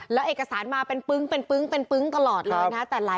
แล้วเอกสารมาเป็นปึ้งเป็นปึ้งเป็นปึ๊งตลอดเลยนะ